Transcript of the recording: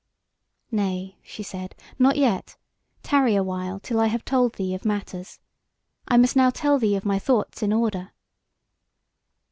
"Nay," she said, "not yet; tarry a while till I have told thee of matters. I must now tell thee of my thoughts in order."